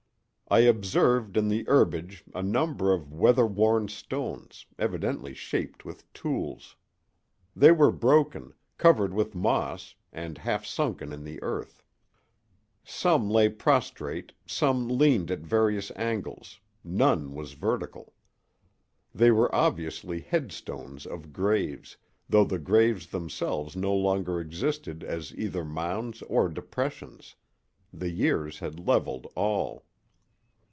I observed in the herbage a number of weather worn stones, evidently shaped with tools. They were broken, covered with moss and half sunken in the earth. Some lay prostrate, some leaned at various angles, none was vertical. They were obviously headstones of graves, though the graves themselves no longer existed as either mounds or depressions; the years had leveled all.